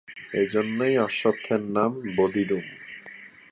এজন্যই অশ্বত্থের অন্য নাম বোধিডুম।